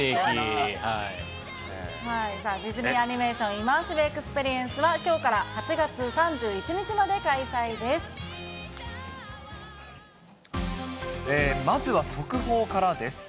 ディズニーアニメーション、イマーシブ・エキスペリエンスはきょうから８月３１日まで開催でまずは速報からです。